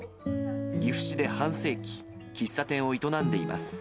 岐阜市で半世紀、喫茶店を営んでいます。